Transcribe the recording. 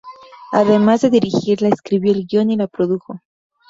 Además de dirigirla, escribió el guion y la produjo.